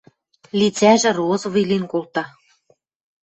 Лицӓжӹ розывый лин колта.